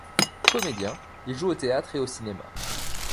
Comédien, il joue au théâtre et au cinéma.